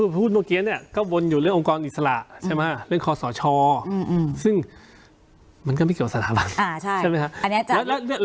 พูดเมื่อกี้ก็วนอยู่เรื่ององค์กรอิสระเรื่องขอสชซึ่งมันก็ไม่เกี่ยวกับสถาบัน